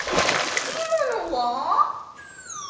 いまのは？